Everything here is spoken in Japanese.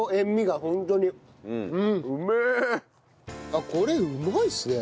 あっこれうまいっすね。